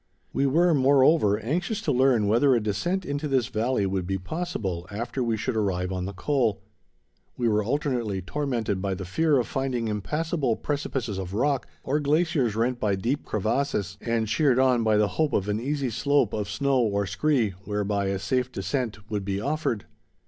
We were, moreover, anxious to learn whether a descent into this valley would be possible, after we should arrive on the col. We were alternately tormented by the fear of finding impassable precipices of rock, or glaciers rent by deep crevasses, and cheered on by the hope of an easy slope of snow or scree, whereby a safe descent would be offered.